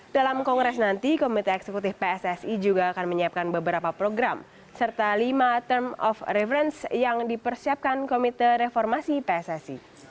dalam kongres nanti komite eksekutif pssi juga akan menyiapkan beberapa program serta lima term of reference yang dipersiapkan komite reformasi pssi